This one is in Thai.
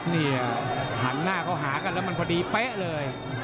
นี่หันหน้าเขาหากันแล้วมันพอดีเป๊ะเลย